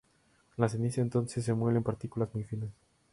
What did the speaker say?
La ceniza entonces se muele en partículas muy finas.